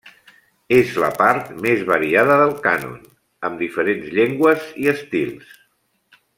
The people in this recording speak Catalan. És la part més variada del cànon, amb diferents llengües i estils.